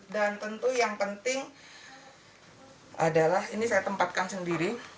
dan tentu yang penting adalah ini saya tempatkan sendiri